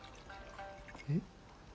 えっ？